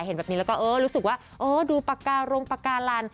เห็นแบบนี้แล้วก็เออรู้สึกว่าเออดูปากการงปากการัน